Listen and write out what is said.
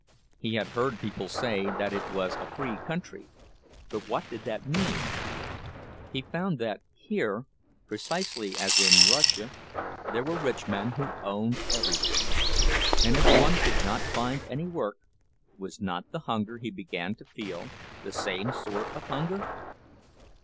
He had heard people say that it was a free country—but what did that mean? He found that here, precisely as in Russia, there were rich men who owned everything; and if one could not find any work, was not the hunger he began to feel the same sort of hunger?